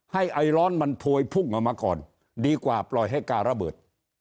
ไอร้อนมันพวยพุ่งออกมาก่อนดีกว่าปล่อยให้การระเบิด